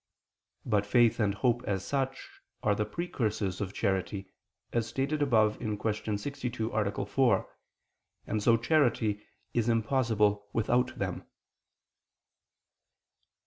But faith and hope as such are the precursors of charity, as stated above (Q. 62, A. 4), and so charity is impossible without them.